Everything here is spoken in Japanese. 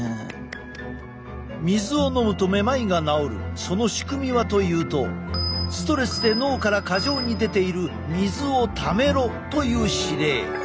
水を飲むとめまいが治るその仕組みはというとストレスで脳から過剰に出ている水をためろという指令。